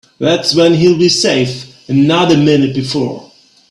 That's when he'll be safe and not a minute before.